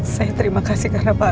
saya terima kasih karena pak